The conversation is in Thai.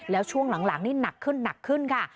แล้วช่วงหลังนี่หนักขึ้นหนักขึ้นค่ะ